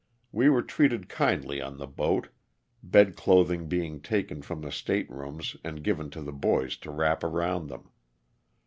We were treated kindly on the boat, bed clothing being taken from the state rooms and given to the boys to wrap around them.